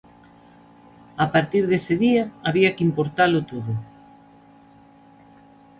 A partir dese día había que importalo todo.